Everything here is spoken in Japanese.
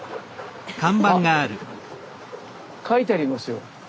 あっ書いてありますよ